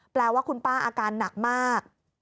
แปลว่าคุณป้าอาการหนักมาก